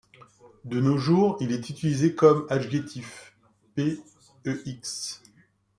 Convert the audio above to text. De nos jours il est utilisé comme adjectif, p. ex.